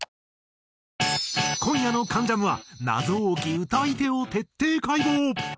今夜の『関ジャム』は謎多き歌い手を徹底解剖。